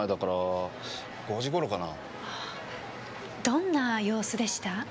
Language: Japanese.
どんな様子でした？